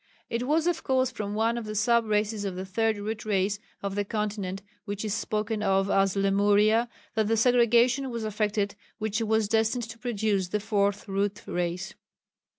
It was of course from one of the sub races of the Third Root Race on the continent which is spoken of as Lemuria, that the segregation was effected which was destined to produce the Fourth Root Race.